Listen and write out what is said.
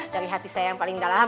dari hati saya yang paling dalam